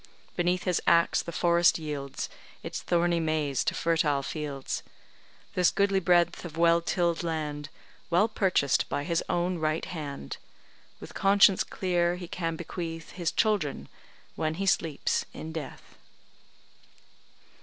Beneath his axe, the forest yields Its thorny maze to fertile fields; This goodly breadth of well till'd land, Well purchased by his own right hand, With conscience clear, he can bequeath His children, when he sleeps in death.